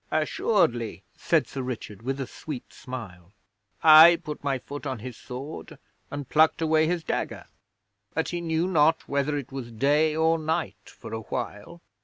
'Assuredly,' said Sir Richard, with a sweet smile. 'I put my foot on his sword and plucked away his dagger, but he knew not whether it was day or night for awhile.